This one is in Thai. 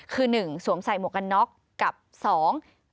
คือหนึ่งสวมใส่หมวกกันน็อกกับสอง